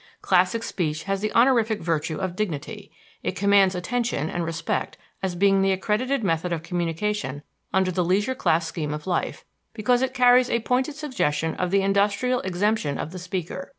Classic speech has the honorific virtue of dignity; it commands attention and respect as being the accredited method of communication under the leisure class scheme of life, because it carries a pointed suggestion of the industrial exemption of the speaker.